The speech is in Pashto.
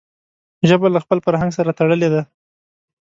ژبه له خپل فرهنګ سره تړلي ده.